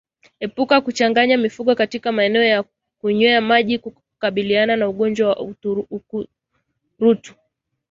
Epuka kuchanganya mifugo katika maeneo ya kunywea maji kukabiliana na ugonjwa wa ukurutu